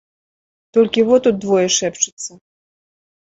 Толькі во тут двое шэпчуцца.